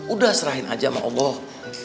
udah serahin aja sama allah